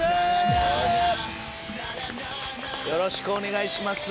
よろしくお願いします。